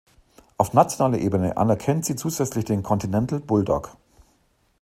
Auf nationaler Ebene anerkennt sie zusätzlich den Continental Bulldog.